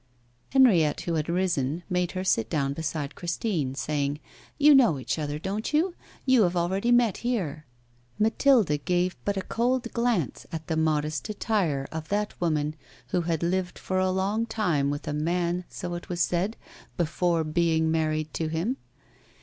Henriette, who had risen, made her sit down beside Christine, saying: 'You know each other, don't you? You have already met here.' Mathilde gave but a cold glance at the modest attire of that woman who had lived for a long time with a man, so it was said, before being married to him.